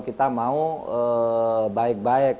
kita mau baik baik